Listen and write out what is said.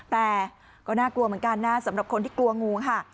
แต่ก็น่ากลัวเหมือนกันนะสำหรับคนที่กลัวงูค่ะ